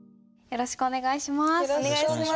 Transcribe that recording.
よろしくお願いします。